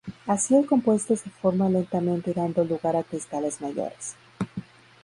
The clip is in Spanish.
Así el compuesto se forma lentamente dando lugar a cristales mayores.